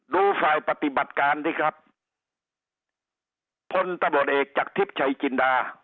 รู้ฝ่ายปฏิบัติการนี่ครับทนตะบรวดเอกจักรทิพย์ชายกินดา